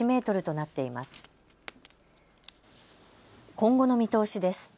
今後の見通しです。